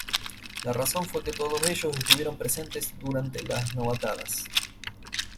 La razón fue que todos ellos estuvieron presentes durante las novatadas.